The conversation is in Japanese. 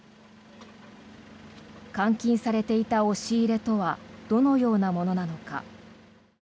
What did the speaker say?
監禁されていた押し入れとはどのようなものなのか。